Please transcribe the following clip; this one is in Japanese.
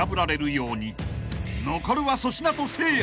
［残るは粗品とせいや］